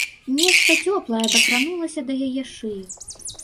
Нешта цёплае дакранулася да яе шыі.